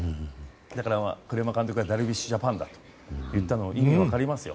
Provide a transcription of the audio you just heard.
だから、栗山監督がダルビッシュジャパンだと言ったのも意味が分かりますよ。